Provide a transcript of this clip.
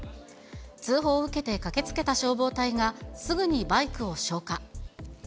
通報を受けて駆けつけた消防隊がすぐにバイクを消火。